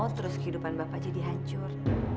terus kehidupan bapak jadi hancur